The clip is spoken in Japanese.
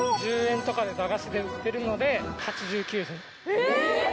え！